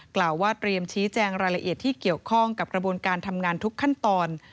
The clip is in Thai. กล่าวว่าเตรียมชี้แจงรายละเอียดที่เกี่ยวข้องกับกระบวนการทำงานทุกขั้นตอน